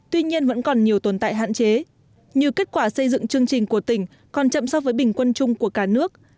tuy nhiên vẫn còn nhiều tồn tại hạn chế như kết quả xây dựng chương trình của tỉnh còn chậm so với bình quân chung của cả nước